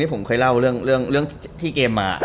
ผมเคยเล่าเรื่องที่เกมมา